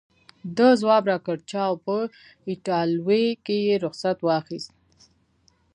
ده ځواب راکړ: چاو، په ایټالوي کې یې رخصت واخیست.